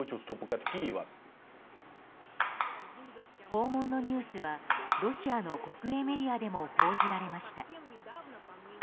訪問のニュースはロシアの国営メディアでも報じられました。